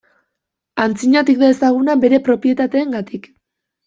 Antzinatetik da ezaguna bere propietateengatik.